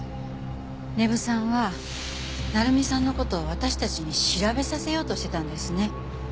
根布さんは成実さんの事を私たちに調べさせようとしてたんですね。